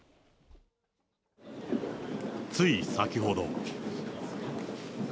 つい先ほど。